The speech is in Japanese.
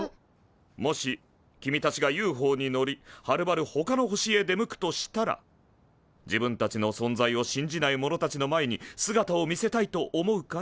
もし君たちがＵＦＯに乗りはるばるほかの星へ出向くとしたら自分たちの存在を信じない者たちの前に姿を見せたいと思うかい？